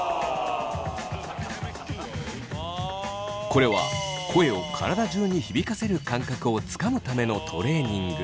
これは声を体中に響かせる感覚をつかむためのトレー二ング。